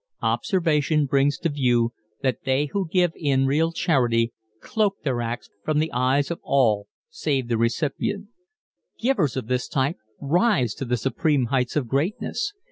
Observation brings to view that they who give in real charity cloak their acts from the eyes of all save the recipient. Givers of this type rise to the supreme heights of greatness.